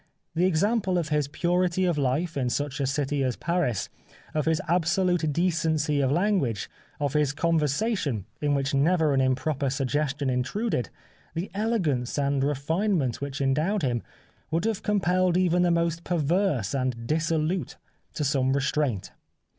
The example of his purity of life in such a city as Paris, of his absolute decency of language, of his conversation, in which never an improper suggestion intruded, the elegance and refinement which endowed him, would have compelled even the most perverse and dissolute to some re straint.